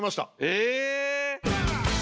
え！